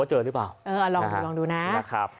ให้กับท